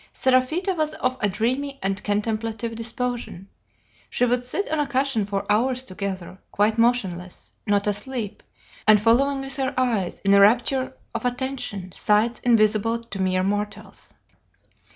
Seraphita was of a dreamy and contemplative disposition. She would sit on a cushion for hours together, quite motionless, not asleep, and following with her eyes, in a rapture of attention, sights invisible to mere mortals.